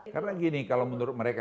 karena gini kalau menurut mereka